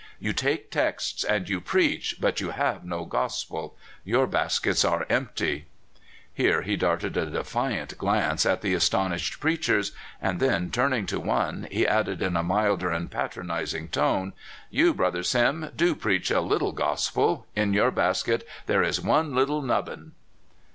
You take texts, and you preach, but you have no gospel. Your baskets are empty." Here he darted a defiant glance at the astonished preachers, and then, turning to one, he added in a milder amd patronizing tone: "You, Brother Sim, do preach a little gospel — in your basket there is one little nubbin!